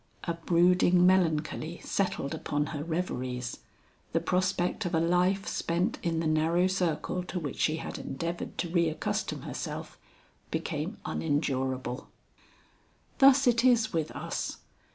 A brooding melancholy settled upon her reveries; the prospect of a life spent in the narrow circle to which she had endeavored to re accustom herself, became unendurable. Thus it is with us.